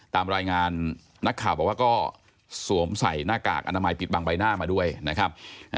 ตามรายงานนักข่าวบอกว่าก็สวมใส่หน้ากากอนามัยปิดบังใบหน้ามาด้วยนะครับ